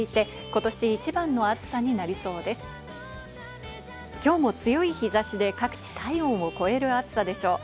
今日も強い日差しで各地、体温を超える暑さでしょう。